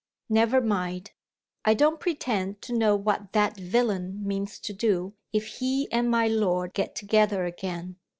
Never mind. I don't pretend to know what that villain means to do, if he and my lord get together again.